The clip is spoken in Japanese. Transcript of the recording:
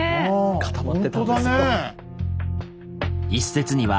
固まってたんですよ。